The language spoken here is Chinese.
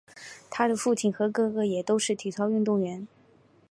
她的父亲和哥哥也都是体操运动员。